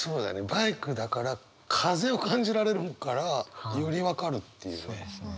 バイクだから風を感じられるからより分かるっていうね。